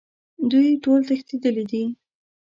دوی ټول تښتیدلي دي